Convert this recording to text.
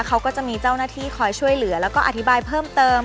เขาก็จะมีเจ้าหน้าที่คอยช่วยเหลือแล้วก็อธิบายเพิ่มเติม